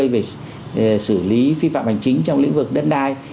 về xử lý vi phạm hành chính trong lĩnh vực đất đai